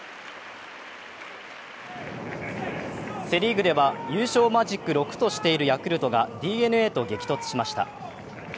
セ・リーグでは優勝マジック６としているヤクルトがＤｅＮＡと激突しました。